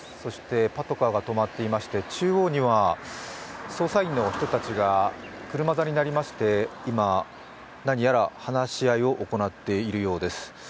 パトカーが止まっていまして中央には捜査員の人たちが車座になりまして今、何やら話し合いを行っているようです。